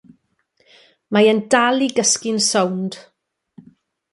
Mae e'n dal i gysgu'n sownd.